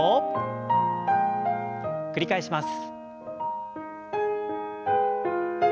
繰り返します。